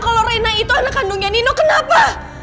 kalau rena itu anak kandungnya nino kenapa